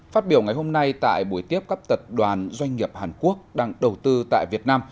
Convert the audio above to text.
phát biểu ngày hôm nay tại buổi tiếp cấp tật đoàn doanh nghiệp hàn quốc đang đầu tư tại việt nam